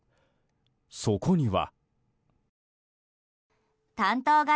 そこには。